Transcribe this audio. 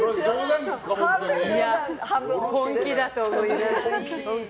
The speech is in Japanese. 半分本気だと思います。